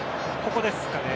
ここですかね。